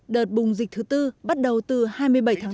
đợt bùng dịch thứ tư bắt đầu từ hai mươi bảy tháng bốn